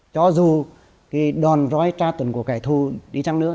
cho dù cái đòn roi tra tuần của kẻ thù đi chăng nữa